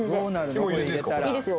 これいいですよ